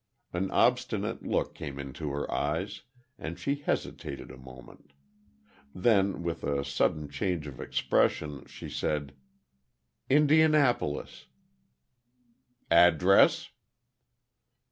An obstinate look came into her eyes, and she hesitated a moment. Then, with a sudden change of expression, she said, "Indianapolis." "Address?"